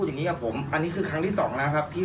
จนมาถึงกันซอยนะครับพี่